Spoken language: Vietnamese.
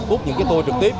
bút những tour trực tiếp